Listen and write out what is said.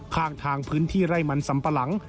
ข้างทางพื้นที่ไร่มันสัมปะหลัง